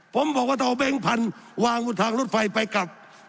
ผมบอกว่าเราเบงพันวางบนทางรถไฟไปกับ